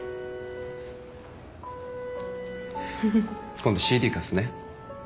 今度ＣＤ貸すね。